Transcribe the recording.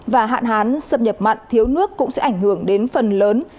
và hạn hán xâm nhập mặn thiếu nước cũng sẽ ảnh hưởng đến phần lớn